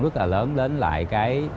rất là lớn đến lại cái